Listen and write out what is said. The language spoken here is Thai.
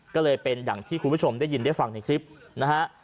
ก็เลยเป็นอย่างที่คุณผู้ชมได้ยินได้ฟังในคลิปนะฮะ